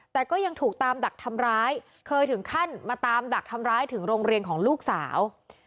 แต่ก็ยังถูกตามดักทำร้ายเคยถึงขั้นมาตามดักทำร้ายถึงโรงเรียนของลูกสาว